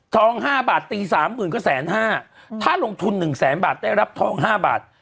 ทองห้าบาทตีสามหมื่นก็แสนห้าอืมถ้าลงทุนหนึ่งแสนบาทได้รับทองห้าบาท